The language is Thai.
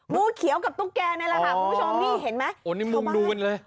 งูเขียวกับตุ๊กแกนี่แหละค่ะคุณผู้ชมนี่เห็นไหมโอ้นี่มุ่งดูกันเลย